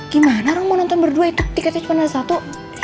gimana orang mau nonton berdua itu tiketnya cuma satu